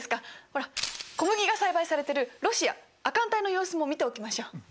ほら小麦が栽培されてるロシア亜寒帯の様子も見ておきましょう。